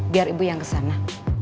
biar ibu yang kesana